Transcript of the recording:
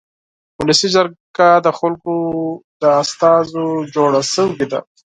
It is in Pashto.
ولسي جرګه د خلکو له استازو جوړه شوې ده.